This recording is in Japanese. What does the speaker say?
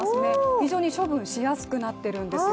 非常に処分しやすくなっているんですよ。